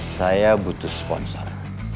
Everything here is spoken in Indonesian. saya butuh sponsor